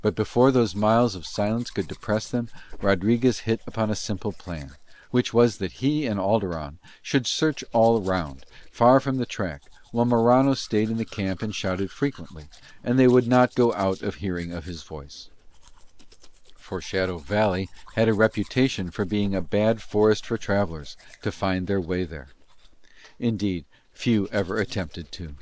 But before those miles of silence could depress them Rodriguez hit upon a simple plan, which was that he and Alderon should search all round, far from the track, while Morano stayed in the camp and shouted frequently, and they would not go out of hearing of his voice: for Shadow Valley had a reputation of being a bad forest for travellers to find their way there; indeed, few ever attempted to.